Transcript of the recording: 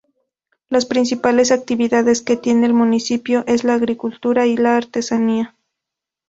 Las principales actividades que tiene el municipio es la agricultura y la artesanía.